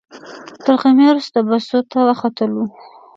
تر غرمې وروسته بسونو ته وختلو.